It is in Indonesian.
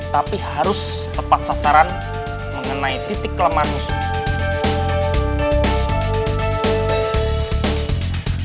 tapi harus tepat sasaran mengenai titik lemah musuh